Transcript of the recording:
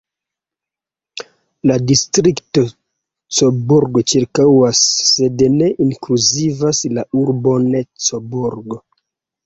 La distrikto Coburg ĉirkaŭas, sed ne inkluzivas la urbon Coburg.